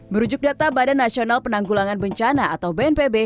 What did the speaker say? merujuk data badan nasional penanggulangan bencana atau bnpb